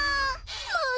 もう！